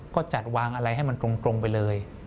ก็จัดวางอะไรให้มันตรงไปเลย